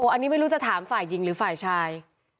อันนี้ไม่รู้จะถามฝ่ายหญิงหรือฝ่ายชาย